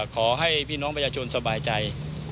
ขอให้พี่น้องประชาชนสบายใจ